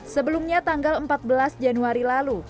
sebelumnya tanggal empat belas januari lalu